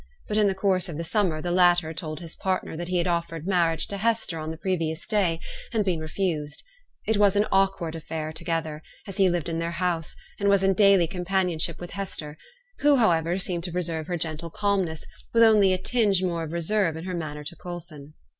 But in the course of the summer the latter told his partner that he had offered marriage to Hester on the previous day, and been refused. It was an awkward affair altogether, as he lived in their house, and was in daily companionship with Hester, who, however, seemed to preserve her gentle calmness, with only a tinge more of reserve in her manner to Coulson.